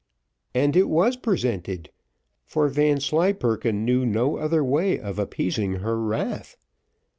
And it was presented, for Vanslyperken knew no other way of appeasing her wrath.